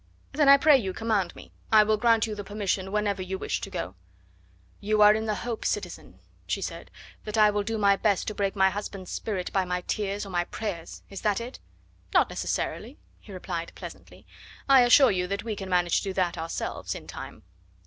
"Then I pray you command me. I will grant you the permission whenever you wish to go." "You are in the hope, citizen," she said, "that I will do my best to break my husband's spirit by my tears or my prayers is that it?" "Not necessarily," he replied pleasantly. "I assure you that we can manage to do that ourselves, in time."